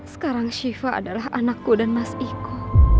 sekarang syifa adalah anakku dan mas iko